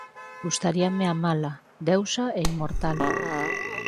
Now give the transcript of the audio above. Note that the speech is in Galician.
Gustaríame amala, deusa e inmortal.